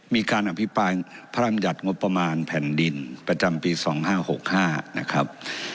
มีการอภิปรายพระรำยัติงบประมาณแผ่นดินประจำปี๒๕๖๕นะครับ